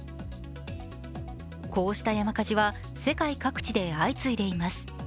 こうした山火事は世界各地で相次いでいます。